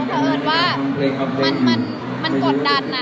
เพราะเอิญว่ามันกดดันนะ